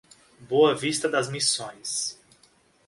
Boa Vista das Missões